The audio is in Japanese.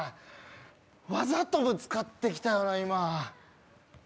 わざとぶつかってきたな、今。